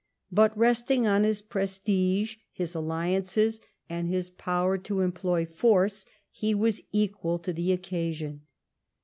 But, resting on his prestige, his alliances, and his power to employ force, he was equal to the occasion.